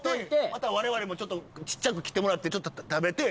また我々もちょっとちっちゃく切ってもらってちょっと食べて。